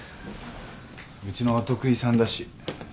ウチのお得意さんだし。